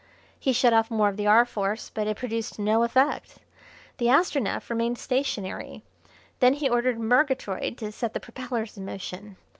He shut off more of the R. Force, but it produced no effect. The Astronef remained stationary. Then he ordered Murgatroyd to set the propellers in motion.